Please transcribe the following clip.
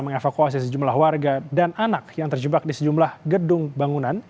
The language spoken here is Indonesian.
mengevakuasi sejumlah warga dan anak yang terjebak di sejumlah gedung bangunan